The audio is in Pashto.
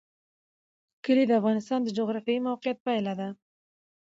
کلي د افغانستان د جغرافیایي موقیعت پایله ده.